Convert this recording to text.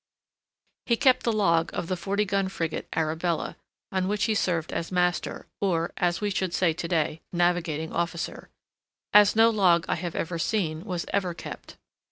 He kept the log of the forty gun frigate Arabella, on which he served as master, or, as we should say to day, navigating officer, as no log that I have seen was ever kept.